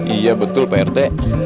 iya betul pak rete